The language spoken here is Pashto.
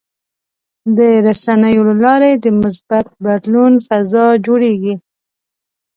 د رسنیو له لارې د مثبت بدلون فضا جوړېږي.